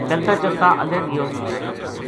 چلتاں چلتاں اگے گیو